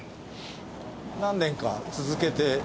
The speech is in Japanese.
何年か続けて。